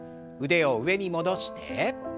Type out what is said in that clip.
腕を上に戻して。